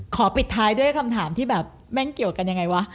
ปิดท้ายด้วยคำถามที่แบบแม่งเกี่ยวกันยังไงวะ